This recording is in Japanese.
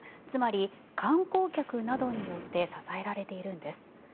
つまり、観光客などによって支えられているんです。